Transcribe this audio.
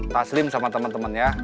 taslim sama temen temen ya